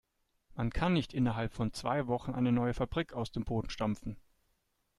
Man kann nicht innerhalb von zwei Wochen eine neue Fabrik aus dem Boden stampfen.